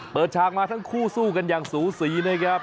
ฉากมาทั้งคู่สู้กันอย่างสูสีนะครับ